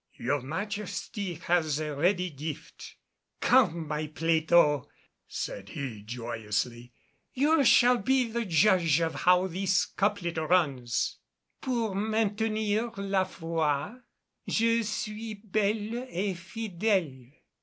"Your Majesty has a ready gift." "Come, my Plato," said he joyously, "you shall be the judge of how this couplet runs: "Pour maintenir la foy Je suis belle et fidele."